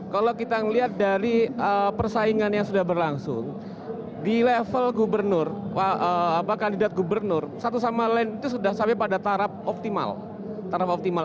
kalau kita melihat dari persaingan yang sudah berlangsung di level gubernur kandidat gubernur satu sama lain itu sudah sampai pada tarap optimal